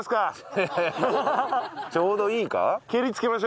ちょうどいいか？